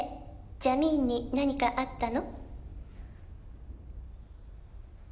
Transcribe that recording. ジャミーンに何かあったの？」